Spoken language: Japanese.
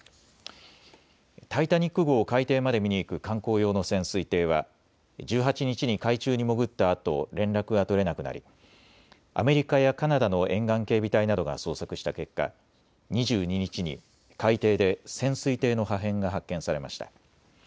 タイタニック号を海底まで見に行く観光用の潜水艇は１８日に海中に潜ったあと連絡が取れなくなりアメリカやカナダの沿岸警備隊などが捜索した結果、２２日に海底で潜水艇の破片が発見されました。